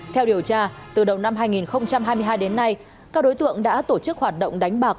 theo điều tra từ đầu năm hai nghìn hai mươi hai đến nay các đối tượng đã tổ chức hoạt động đánh bạc